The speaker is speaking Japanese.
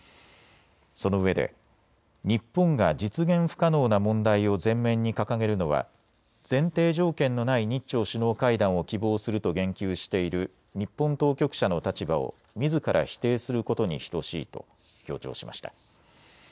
そのうえで日本が実現不可能な問題を前面に掲げるのは、前提条件のない日朝首脳会談を希望すると言及している日本当局者の立場をみずから否定することに等しいと強調しました。